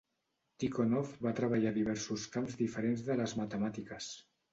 Tikhonov va treballar a diversos camps diferents de les matemàtiques.